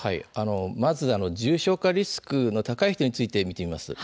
まず重症化リスクの高い人について見てみます。